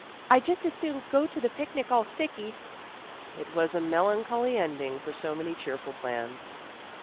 "I'd just as soon go to the picnic aU sticky." It was a melancholy ending for so many cheerful plans.